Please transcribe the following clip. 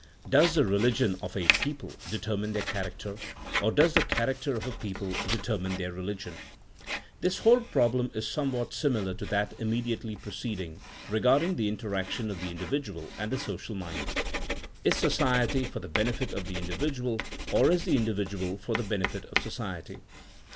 Does the religion of a people determine their charac ter, or does the character of a people determine their religion? This whole problem is some 214 THINEINa A8 A SOIENOE what sinular to that immediately preceding, re garding the interaction of the individual and the social mind. Is society for the benefit of the individual or is the individual for the benefit of society?